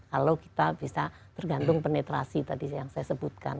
kalau kita bisa tergantung penetrasi tadi yang saya sebutkan